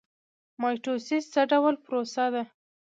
مایټوسیس څه ډول پروسه ده؟